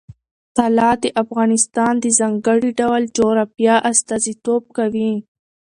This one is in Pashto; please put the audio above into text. طلا د افغانستان د ځانګړي ډول جغرافیه استازیتوب کوي.